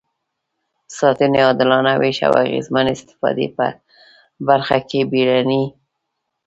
ساتنې، عادلانه وېش او اغېزمنې استفادې په برخه کې بیړني.